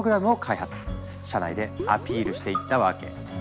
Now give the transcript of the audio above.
社内でアピールしていったわけ。